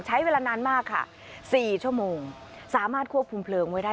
ใช้เวลานานมากค่ะ๔ชั่วโมงสามารถควบคุมเพลิงไว้ได้